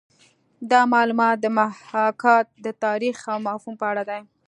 دا معلومات د محاکات د تاریخ او مفهوم په اړه دي